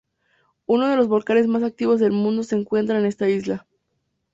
Uno de los volcanes más activos del mundo se encuentra en esta isla.